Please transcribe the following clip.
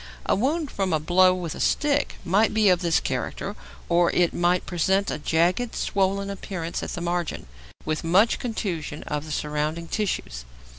A wound from a blow with a stick might be of this character, or it might present a jagged, swollen appearance at the margin, with much contusion of the surrounding tissues.